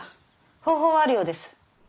方法はあるようです。